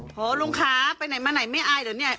โอ้โฮลุงค้าไปไหนมาไหนไม่อายเหรอนี่